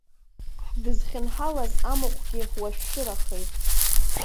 Дызхьынҳалаз амахәгьы уашәшәырахеит.